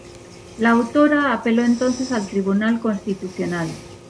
La autora apeló entonces al Tribunal Constitucional.